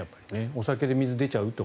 お酒で水が出ちゃうと。